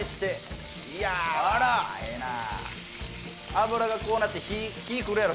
脂がこうなって火くるやろ？